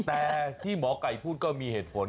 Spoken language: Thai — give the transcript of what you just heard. แต่ที่หมอไก่พูดก็มีเหตุผล